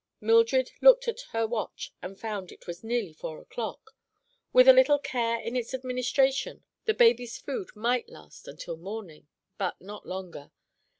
Mildred looked at her watch and found it was nearly four o'clock. With a little care in its administration the baby's food might last until morning, but not longer.